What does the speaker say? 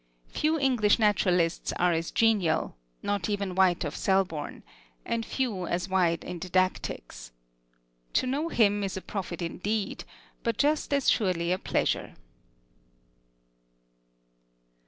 Few English naturalists are as genial not even White of Selborne and few as wide in didactics. To know him is a profit indeed; but just as surely a pleasure.